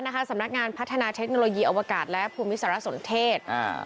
การพัฒนาเทคโนโลยีอวกาศและภูมิสารสนเทศ